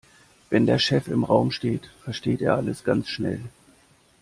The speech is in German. Wenn der Chef im Raum steht, versteht er alles ganz schnell.